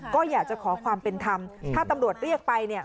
ก็อยากจะขอความเป็นธรรมถ้าตำรวจเรียกไปเนี่ย